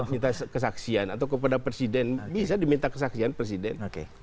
minta kesaksian atau kepada presiden bisa diminta kesaksian presiden